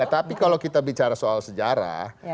tapi kalau kita bicara soal sejarah